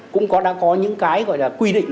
cũng đã có những cái gọi là quy định